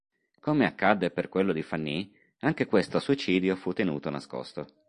Come accadde per quello di Fanny, anche questo suicidio fu tenuto nascosto.